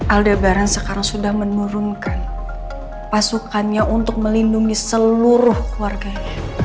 aldebaran sekarang sudah menurunkan pasukannya untuk melindungi seluruh keluarganya